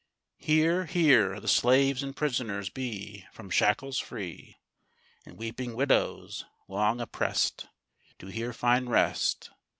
Here, here the slaves and prisoners be From shackles free; And weeping widows, long opprest, Do here find rest.